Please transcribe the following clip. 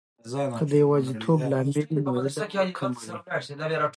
که د یواځیتوب لامل وي، نو علم به کمه وي.